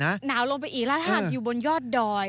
หนาวลงไปอีกแล้วถ้าหากอยู่บนยอดดอย